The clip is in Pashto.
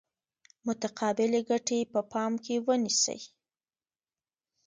متقابلې ګټې به په پام کې ونیسي.